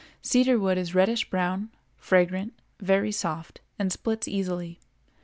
Cedar wood is reddish brown, fragrant, very soft, and splits easily.